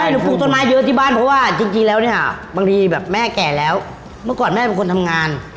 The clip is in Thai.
เราปลูกต้นไม้เยอะที่บ้าน